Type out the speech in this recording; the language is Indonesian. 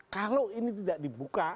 kalau ini tidak dibuka